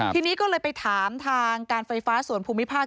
ทีนี้ก็เลยไปถามทางการไฟฟ้าส่วนภูมิภาค